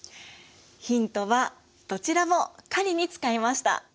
ヒントはどちらも狩りに使いました。